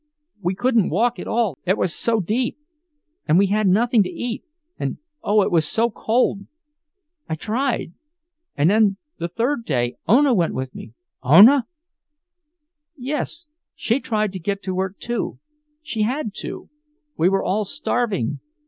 We couldn't walk at all, it was so deep. And we had nothing to eat, and oh, it was so cold! I tried, and then the third day Ona went with me—" "Ona!" "Yes. She tried to get to work, too. She had to. We were all starving.